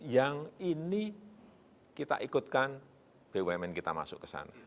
yang ini kita ikutkan bumn kita masuk ke sana